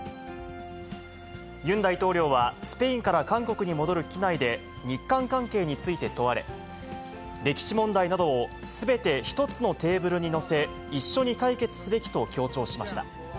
ユン大統領は、スペインから韓国に戻る機内で、日韓関係について問われ、歴史問題などをすべて一つのテーブルに載せ、一緒に解決すべきと強調しました。